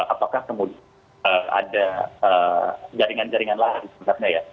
apakah kemudian ada jaringan jaringan lain sebenarnya ya